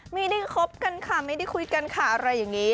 คบกันค่ะไม่ได้คุยกันค่ะอะไรอย่างนี้